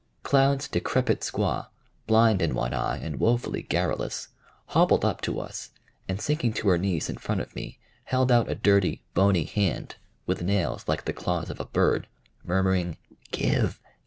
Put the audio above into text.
Cloud's decrepit squaw, blind in one eye and wofully garrulous, hobbled up to us, and sinking to her knees in front of me, held out a dirty, bony hand, with nails like the claws of a bird, murmuring, "Give!